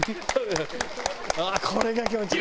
ああこれが気持ちいい。